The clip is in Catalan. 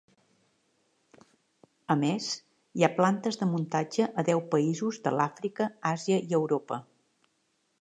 A més, hi ha plantes de muntatge a deu països de l'Àfrica, Àsia i Europa.